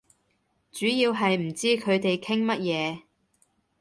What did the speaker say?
主要係唔知佢哋傾乜嘢